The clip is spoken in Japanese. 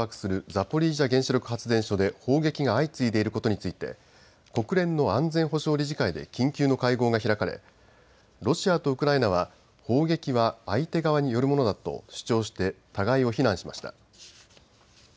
ザポリージャ原子力発電所で砲撃が相次いでいることについて国連の安全保障理事会で緊急の会合が開かれロシアとウクライナは砲撃は相手側によるものだと主張して互いを非難しました。